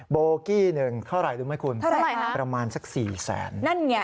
โบรกิหนึ่งเท่าไหร่รู้ไหมคุณประมาณสัก๔แสนใช่ไหมคะ